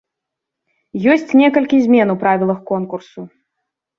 Ёсць некалькі змен у правілах конкурсу.